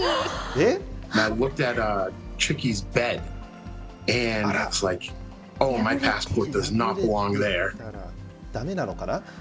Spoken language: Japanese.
えっ？だめなのかな？